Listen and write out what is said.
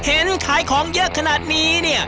เห็นขายของเยอะขนาดนี้เนี่ย